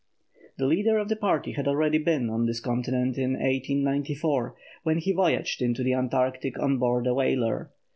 ] The leader of the party had already been on this continent in 1894, when he voyaged into the Antarctic on board a whaler.